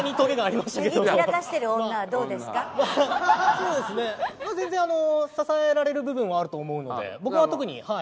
まあ全然支えられる部分はあると思うので僕は特にはい。